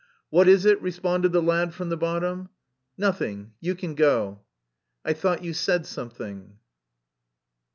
"What is it?" responded the lad from the bottom. "Nothing, you can go." "I thought you said something."